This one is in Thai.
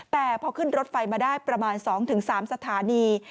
แต่พอขึ้นรถไฟมาได้ประมาณ๒๓สถานี